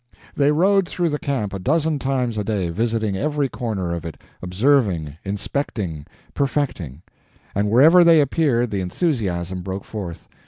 They rode through the camp a dozen times a day, visiting every corner of it, observing, inspecting, perfecting; and wherever they appeared the enthusiasm broke forth.